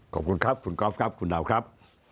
ขอบคุณครับคุณกอล์ฟครับคุณดาวครับ